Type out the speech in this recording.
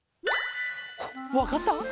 わかった？